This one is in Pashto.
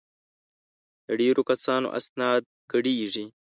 د ډېرو کسانو اسناد ګډېږي.